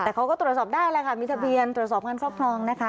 แต่เขาก็ตรวจสอบได้แหละค่ะมีทะเบียนตรวจสอบการครอบครองนะคะ